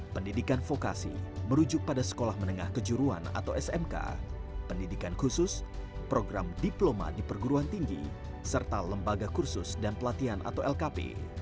pendidikan vokasi merujuk pada sekolah menengah kejuruan atau smk pendidikan khusus program diploma di perguruan tinggi serta lembaga kursus dan pelatihan atau lkp